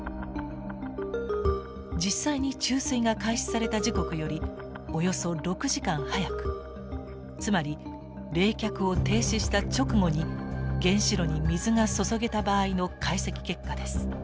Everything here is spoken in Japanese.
実際に注水が開始された時刻よりおよそ６時間早くつまり冷却を停止した直後に原子炉に水が注げた場合の解析結果です。